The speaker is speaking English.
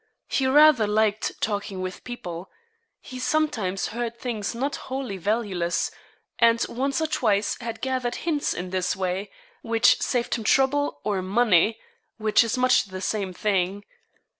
He rather liked talking with people; he sometimes heard things not wholly valueless, and once or twice had gathered hints in this way, which saved him trouble, or money, which is much the same thing.